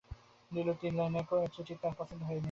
নীলুর তিন লাইনের চিঠি তার পছন্দ হয় নি।